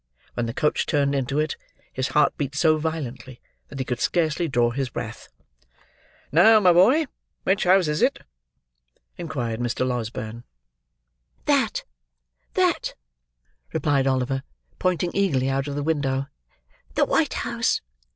When the coach turned into it, his heart beat so violently, that he could scarcely draw his breath. "Now, my boy, which house is it?" inquired Mr. Losberne. "That! That!" replied Oliver, pointing eagerly out of the window. "The white house.